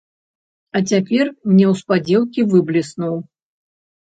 А цяпер неўспадзеўкі выбліснуў.